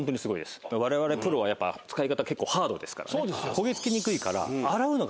焦げ付きにくいから。